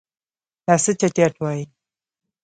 دا څه چټیات وایې.